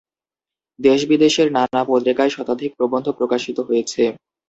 দেশ-বিদেশের নানা পত্রিকায় শতাধিক প্রবন্ধ প্রকাশিত হয়েছে।